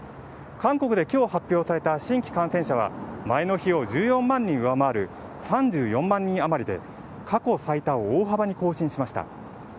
韓国で今日発表された新規感染者は前の日を１４万人上回る３４万人余りで過去最多を大幅に更新しました。